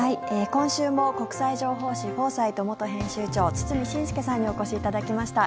今週も国際情報誌「フォーサイト」元編集長堤伸輔さんにお越しいただきました。